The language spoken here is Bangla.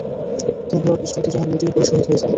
তিনি ঘোড়ার পৃষ্ঠ হতে জমিনে লুটিয়ে পড়ে শহীদ হয়ে যান।